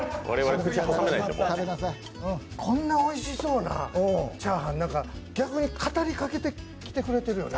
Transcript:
こんなおいしそうなチャーハン、逆に語りかけてきてくれてるよな。